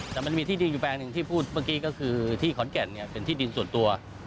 แต่มันมีที่ดินอยู่แปลงหนึ่งที่พูดเมื่อกี้ก็คือที่ขอนแก่นเนี่ยเป็นที่ดินส่วนตัว